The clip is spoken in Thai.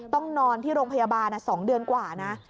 ต้องนอนที่โรงพยาบาล๒เดือนกว่านะ